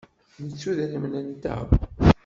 Nettu idrimen-nteɣ?